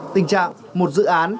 tình trạng một dự án